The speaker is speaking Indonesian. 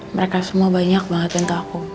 mereka semua banyak banget untuk aku